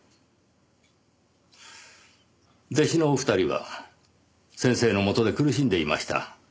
弟子のお二人は先生のもとで苦しんでいました。